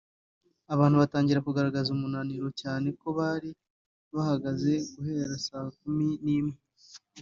abantu batangira kugaragaza umunaniro cyane ko bari bahagaze guhera saa kumi n’imwe